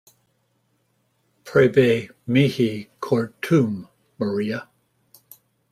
Praebe mihi cor tuum, Maria.